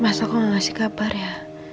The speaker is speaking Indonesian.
mas aku mau ngasih kabar ya